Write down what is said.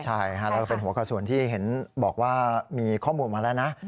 ใช่แล้วก็เป็นหัวกระสุนที่เห็นบอกว่ามีข้อมูลมาแล้วนะ